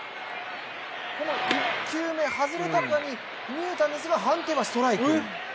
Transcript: この１球目、外れたかに見えたんですが、判定はストライク。